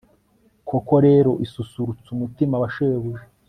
koko rero, isusurutsa umutima wa shebuja